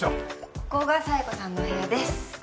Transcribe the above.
ここが佐弥子さんのお部屋です